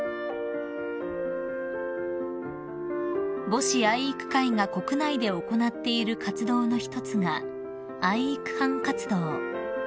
［母子愛育会が国内で行っている活動の一つが愛育班活動］